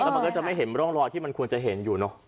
มันก็จะไม่เห็นร่องรอยที่มันควรจะเห็นอยู่เนอะ